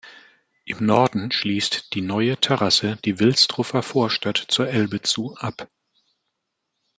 Im Norden schließt die Neue Terrasse die Wilsdruffer Vorstadt zur Elbe zu ab.